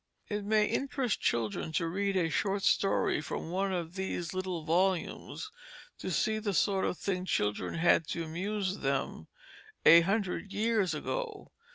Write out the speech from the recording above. It may interest children to read a short story from one of these little volumes to see the sort of thing children had to amuse them a hundred years ago.